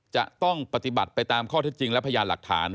จะต้องปฏิบัติไปตามข้อเท็จจริงและพยานหลักฐาน